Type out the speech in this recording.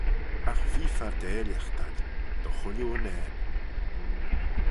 Agh feer fardailagh t'ad, dy chooilley unnane.